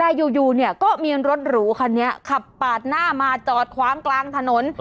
แต่อยู่เนี่ยก็มีรถหรูคันนี้ขับปาดหน้ามาจอดคว้างกลางถนน